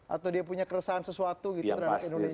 atau dia punya keresahan sesuatu gitu terhadap indonesia